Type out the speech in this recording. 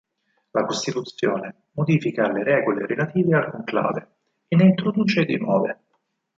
La costituzione modifica le regole relative al conclave e ne introduce di nuove.